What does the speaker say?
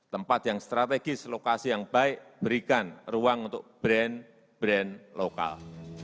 tempat yang strategis lokasi yang baik berikan ruang untuk brand brand lokal